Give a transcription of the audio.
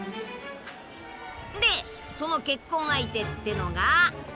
でその結婚相手ってのが。